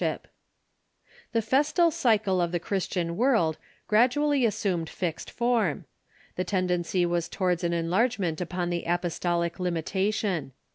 ] The festal cycle of the Christian world gradually assumed fixed form. The tendency was towards an enlargement upon the apostolic limitation.